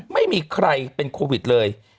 ไม่มีใครเป็นโควิดเลย